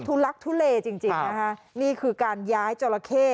ลักทุเลจริงจริงนะคะนี่คือการย้ายจราเข้